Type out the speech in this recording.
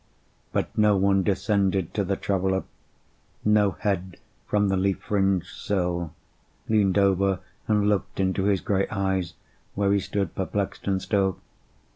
But no one descended to the Traveller; No head from the leaf fringed sill Leaned over and looked into his grey eyes, Where he stood perplexed and still.